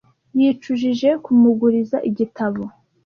Yicujije kumuguriza igitabo.